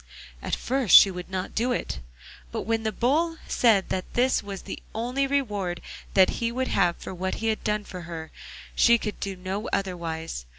At first she would not do it, but when the Bull said that this was the only reward that he would have for what he had done for her, she could do no otherwise.